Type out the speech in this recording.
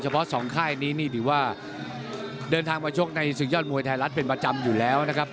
เพราะสองค่ายนี้นี่ถือว่าเดินทางมาชกในศึกยอดมวยไทยรัฐเป็นประจำอยู่แล้วนะครับ